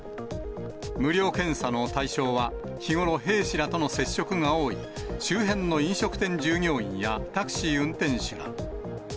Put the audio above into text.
無料検査の対象は、日頃、兵士らとの接触が多い周辺の飲食店従業員やタクシー運転手ら。